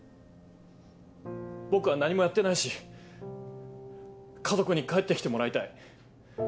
僕は何もやってないし家族に帰って来てもらいたい。